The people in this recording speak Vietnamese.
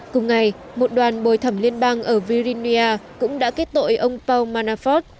cùng ngày một đoàn bồi thẩm liên bang ở virginia cũng đã kết tội ông paul manafort